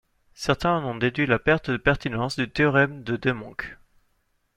Certains en ont déduit la perte de pertinence du théorème de Demonque.